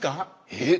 えっ！